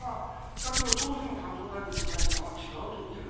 だけど当時の総務大臣の高市さんは違うといっている。